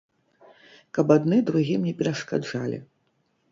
Каб адны другім не перашкаджалі.